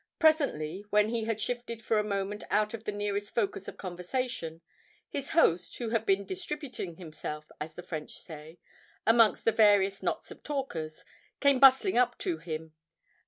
Presently, when he had shifted for a moment out of the nearest focus of conversation, his host, who had been 'distributing himself,' as the French say, amongst the various knots of talkers, came bustling up to him.